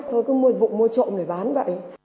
thôi cứ mua vụn mua trộm để bán vậy